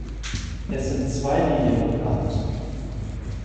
Es sind zwei Linien bekannt.